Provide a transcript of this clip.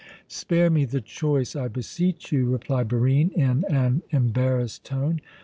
"Spare me the choice, I beseech you," replied Barine in an embarrassed tone.